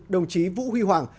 đồng chí vũ huy hoàng